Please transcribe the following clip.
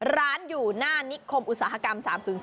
ร้านอยู่หน้านิคมอุตสาหกรรม๓๔